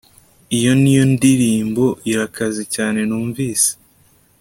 Iyo niyo ndirimbo irakaze cyane numvise